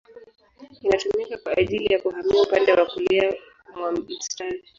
Inatumika kwa ajili ya kuhamia upande wa kulia mwa mstari.